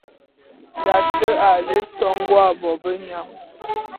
Tate a lé songó ā bobenyang.